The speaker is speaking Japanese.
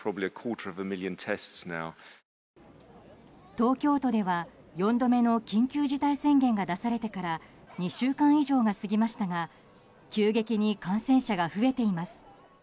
東京都では４度目の緊急事態宣言が出されてから２週間以上が過ぎましたが急激に感染者が増えています。